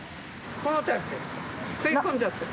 食い込んじゃってる。